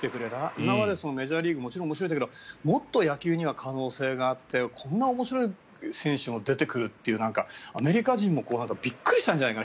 今までのメジャーリーグももちろん面白いんだけど野球にはもっと可能性があってこんな面白い選手も出てくるんだというアメリカ人もびっくりしたんじゃないかな。